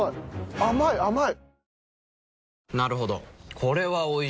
甘い甘い！